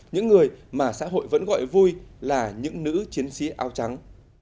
những người mà xã hội vẫn gọi vui là những nữ chiến sĩ áo trắng